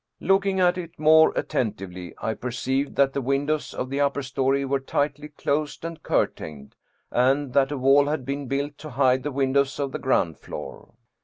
Looking at it more attentively I perceived that the windows of the upper story were tightly closed and curtained, and that a wall had been built to hide the windows of the ground floor.